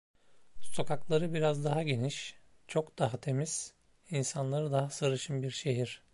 Sokakları biraz daha geniş, çok daha temiz, insanları daha sarışın bir şehir.